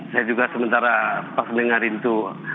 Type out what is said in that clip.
saya juga sementara pas dengar itu